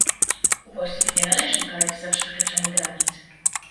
Uchodźców nie należy karać za przekraczanie granic